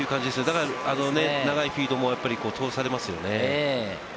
だから長いフィードも通されますよね。